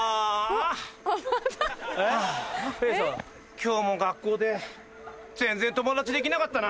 今日も学校で全然友達できなかったな。